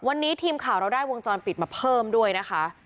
วันนี้ทีมข่าวเราได้วงจรปิดมาเพิ่มด้วยนะคะ